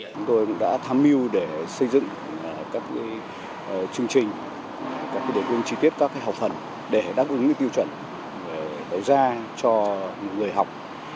chúng tôi đã tham mưu để xây dựng các chương trình các đề quyền trí tiết các học phần để đáp ứng những tiêu chuẩn đổi ra cho người học